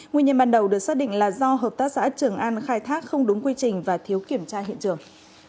nguyên nhân ban đầu được xác định là do hợp tác xã trường an khai thác không đúng quy trình và thiếu kiểm tra hiện trường